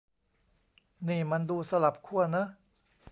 นี่มันดูสลับขั้วเนอะ